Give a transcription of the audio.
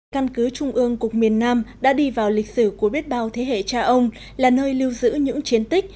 căn cứ trung ương cục miền nam đã đi vào lịch sử của biết bao thế hệ cha ông là nơi lưu giữ những chiến tích